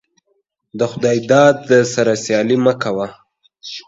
دخداى داده سره سيالي مه کوه.